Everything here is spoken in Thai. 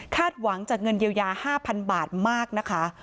หวังจากเงินเยียวยา๕๐๐๐บาทมากนะคะ